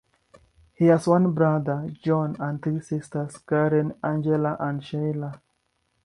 He has one brother, John, and three sisters, Karen, Angela and Sheila.